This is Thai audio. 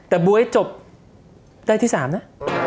แต่บ๊วยจบได้ที่๓นะ